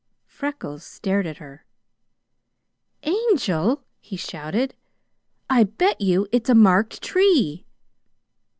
Freckles stared at her. "Angel!" he shouted, "I bet you it's a marked tree!"